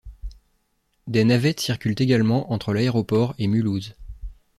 Des navettes circulent également entre l'aéroport et Mulhouse.